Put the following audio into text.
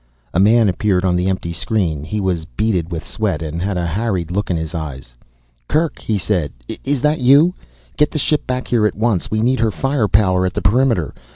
A man appeared on the empty screen. He was beaded with sweat and had a harried look in his eyes. "Kerk," he said, "is that you? Get the ship back here at once. We need her firepower at the perimeter.